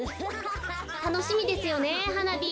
たのしみですよねはなび。